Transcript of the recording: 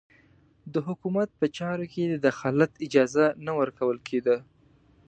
د حکومت په چارو کې د دخالت اجازه نه ورکول کېده.